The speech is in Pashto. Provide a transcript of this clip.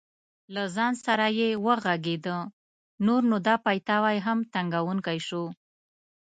له ځان سره یې وغږېده: نور نو دا پیتاوی هم تنګوونکی شو.